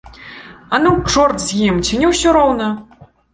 Ану, чорт і з ім, ці не ўсё роўна?